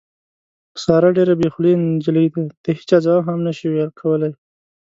ساره ډېره بې خولې نجیلۍ ده، د هېچا ځواب هم نشي کولی.